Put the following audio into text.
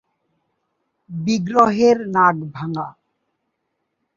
বিগ্রহের নাক ভাঙ্গা।